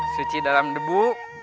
suci dalam debu